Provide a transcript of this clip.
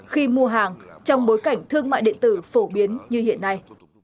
khi mua hàng trong bối cảnh thương mại điện tử phổ biến như hiện nay